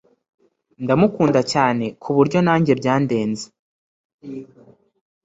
ndamukunda cyane kuburyo najye byandenze